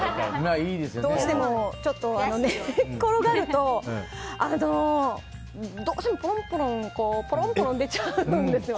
どうしても寝っ転がるとどうしてもポロンポロン出ちゃうんですよね。